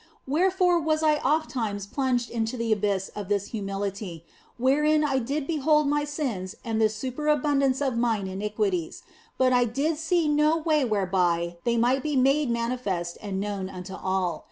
Wherefore was I ofttimes plunged into the abyss of this humility, wherein I did behold my sins and the superabundance of mine iniquities, but I did see no way whereby they might be made manifest and known unto all.